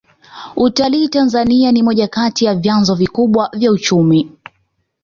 utalii tanzania ni moja kati ya vyanzo vikubwa vya uchumi